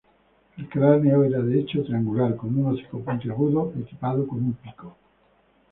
El cráneo era, de hecho, triangular con un hocico puntiagudo, equipado con un pico.